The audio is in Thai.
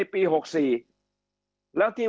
คำอภิปรายของสอสอพักเก้าไกลคนหนึ่ง